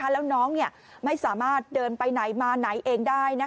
แล้วน้องไม่สามารถเดินไปไหนมาไหนเองได้